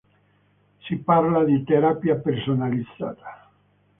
Si parla di “terapia personalizzata”.